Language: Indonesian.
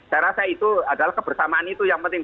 saya rasa itu adalah kebersamaan itu yang penting